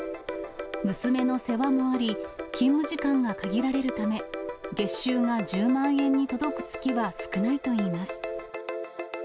娘の世話もあり、勤務時間が限られるため、月収が１０万円に届く月は少ないといいます。